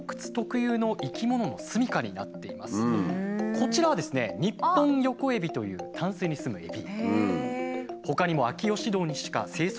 こちらはですねニッポンヨコエビという淡水に住むエビ。